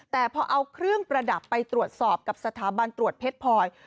แต่พอเอาเครื่องประดับไปตรวจสอบกับสถาบันตรวจเพชรพลอย